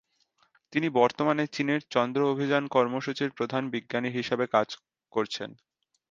তিনি বর্তমানে চীনের চন্দ্র অভিযান কর্মসূচির প্রধান বিজ্ঞানী হিসেবে কাজ করছেন।